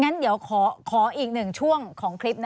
งั้นเดี๋ยวขออีกหนึ่งช่วงของคลิปนะ